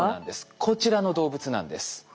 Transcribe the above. こちらの動物なんです。